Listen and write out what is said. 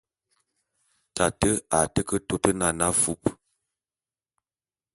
Tate a té ke tôt nane afúp.